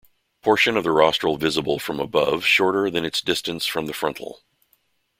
Portion of the rostral visible from above shorter than its distance from the frontal.